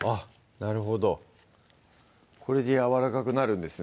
なるほどこれでやわらかくなるんですね